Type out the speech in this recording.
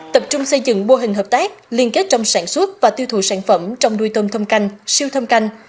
tập trung xây dựng bô hình hợp tác liên kết trong sản xuất và tiêu thụ sản phẩm trong đuôi tôm thơm canh siêu thơm canh